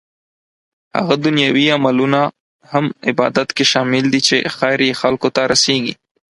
هغه دنيوي عملونه هم عبادت کې شامل دي چې خير يې خلکو ته رسيږي